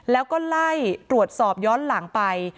แล้วก็ไล่ตรวจสอบย้อนหลังไป